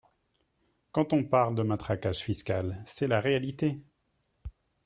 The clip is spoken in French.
Quand on parle de matraquage fiscal, c’est la réalité.